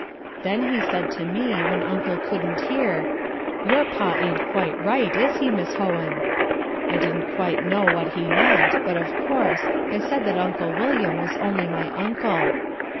Then he said to me, when Uncle couldn't hear, "Your pa ain't quite right, is he, Miss Hohen?" I didn't know what he meant, but, of course, I said that Uncle William was only my uncle.